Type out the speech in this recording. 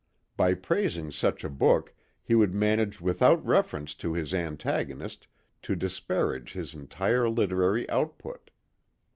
By praising such a book he would manage without reference to his antagonist to disparage his entire literary output.